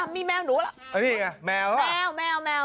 แนนั้นนุ่มแมว